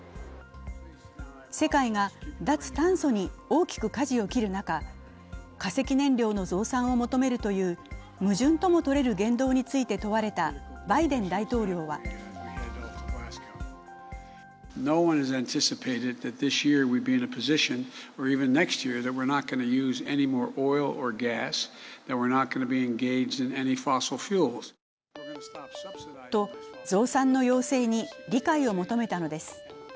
世界が脱炭素に大きくかじを切る中、化石燃料の増産を求めるという矛盾ともとれる言動について問われたバイデン大統領はと増産の要請に理解を求めたのです。